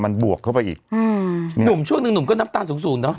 มันบวกเข้าไปอีกอืมหนุ่มช่วงหนึ่งหนุ่มก็น้ำตาลสูงสูงเนอ